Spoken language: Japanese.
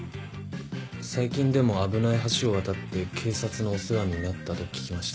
最近でも危ない橋を渡って警察のお世話になったと聞きました。